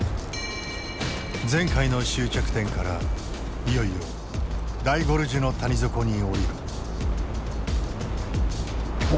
前回の終着点からいよいよ大ゴルジュの谷底に降りる。